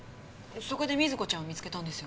そこで瑞子ちゃんを見つけたんですよね？